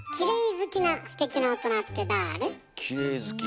きれい好き。